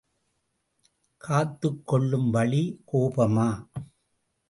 காத்துக் கொள்ளும் வழி கோபமா?